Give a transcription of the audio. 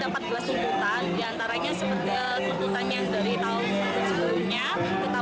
pada tahun dua ribu dua puluh ini kita sebenarnya dapat dua tuntutan